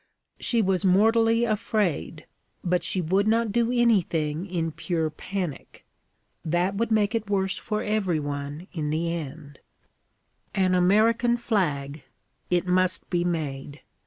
She was mortally afraid; but she would not do anything in pure panic. That would make it worse for every one in the end. An American flag: it must be made.